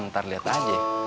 ntar liat aja